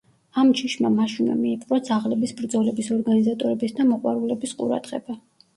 ამ ჯიშმა მაშინვე მიიპყრო ძაღლების ბრძოლების ორგანიზატორების და მოყვარულების ყურადღება.